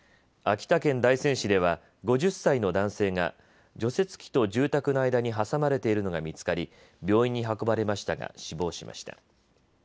秋田県大仙市では５０歳の男性が除雪機と住宅の間に挟まれているのが見つかり病院に運ばれましたが死亡しました。